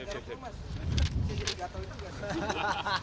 ya mas jangan jatuh mas